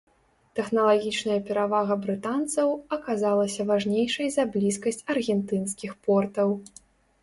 Тэхналагічная перавага брытанцаў аказалася важнейшай за блізкасць аргентынскіх портаў.